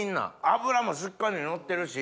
脂もしっかりのってるし。